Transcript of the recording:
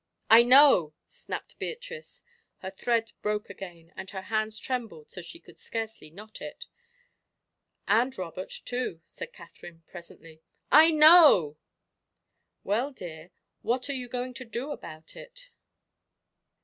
"I know!" snapped Beatrice. Her thread broke again, and her hands trembled so she could scarcely knot it. "And Robert, too," said Katherine, presently. "I know!" "Well, dear, what are you going to do about it?"